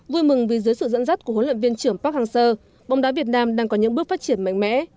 vui mừng vì dưới sự dẫn dắt của huấn luyện viên trưởng park hang seo bóng đá việt nam đang có những bước phát triển mạnh mẽ